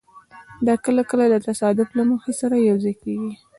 دا کله کله د تصادف له مخې سره یوځای کېږي.